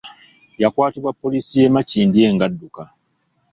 Yakwatibwa poliisi y’e Makindye nga adduka.